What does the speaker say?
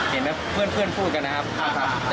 เห็นเพื่อนพูดกันนะครับ